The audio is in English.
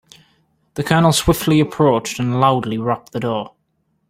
The colonel swiftly approached and loudly rapped the door.